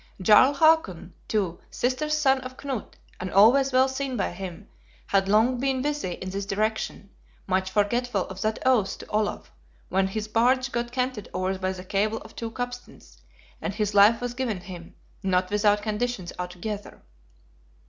Jarl Hakon, too, sister's son of Knut, and always well seen by him, had long been busy in this direction, much forgetful of that oath to Olaf when his barge got canted over by the cable of two capstans, and his life was given him, not without conditions altogether!